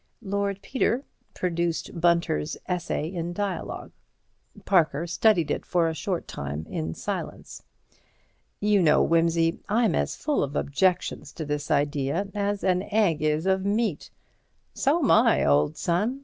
Lord Peter produced Bunter's essay in dialog. Parker studied it for a short time in silence. "You know, Wimsey, I'm as full of objections to this idea as an egg is of meat." "So'm I, old son.